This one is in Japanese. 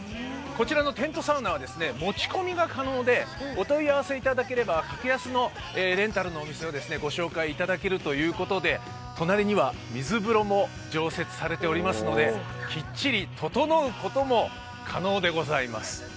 こちらのテントサウナは持ち込みが可能でお問い合わせいただければ格安のレンタルのお店を御紹介いただけるということで隣には水風呂も常設されておりますのできっちりととのうことも可能でございます。